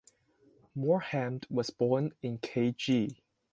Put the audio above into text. Mohamad was born in Kg.